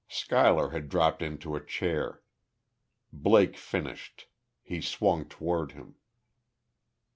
Schuyler had dropped into a chair. Blake finished. He swung toward him.